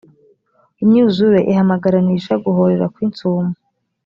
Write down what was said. imyuzure ihamagaranisha guhorera kw insumo